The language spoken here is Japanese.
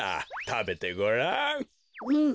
たべてごらん。